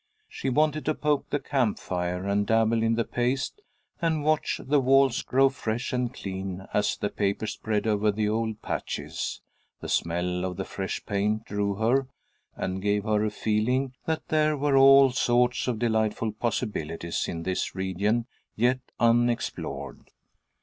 She wanted to poke the camp fire, and dabble in the paste, and watch the walls grow fresh and clean as the paper spread over the old patches. The smell of the fresh paint drew her, and gave her a feeling that there were all sorts of delightful possibilities in this region, yet unexplored.